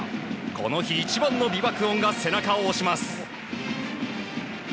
この日一番の美爆音が背中を押します。